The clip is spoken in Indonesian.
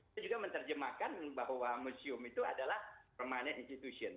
ini juga menerjemahkan bahwa museum itu adalah permanet institution